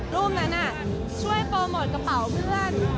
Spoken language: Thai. รูปนั้นช่วยโปรโมทกระเป๋าเพื่อน